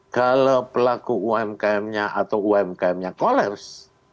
kalau pelaku umkmnya atau umkmnya kolaps